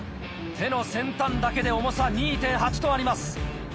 手の先端だけで重さ２．８ｔあります。